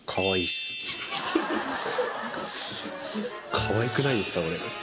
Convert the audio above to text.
かわいくないですかこれ。